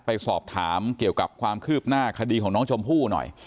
ไปสอบถามเกี่ยวกับความคืบหน้าคดีของน้องชมพู่หน่อย